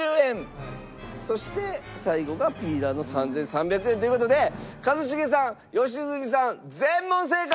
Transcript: そして最後がピーラーの３３００円。という事で一茂さん良純さん全問正解！